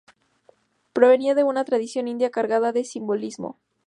Provenía de una tradición india cargada de simbolismo.